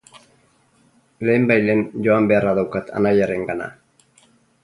Lehenbailehen joan beharra daukat anaiarengana.